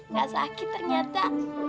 gak sakit ternyata